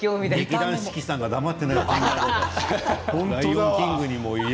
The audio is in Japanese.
劇団四季さんが黙っていない。